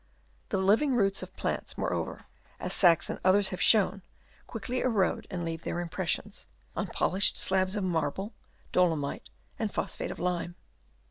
The living roots of plants, moreover, as Sachs and others have shown, quickly corrode and leave their impressions s 2 246 DISINTEGKATION Chap. V. on polished slabs of marble, dolomite and phosphate of lime.